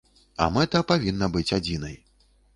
А мэта павінна быць адзінай.